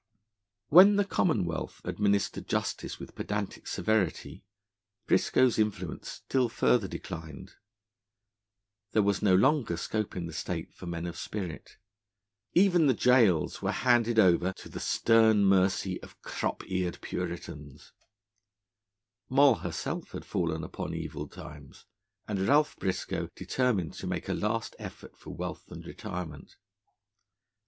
When the Commonwealth administered justice with pedantic severity, Briscoe's influence still further declined. There was no longer scope in the State for men of spirit; even the gaols were handed over to the stern mercy of crop eared Puritans; Moll herself had fallen upon evil times; and Ralph Briscoe determined to make a last effort for wealth and retirement.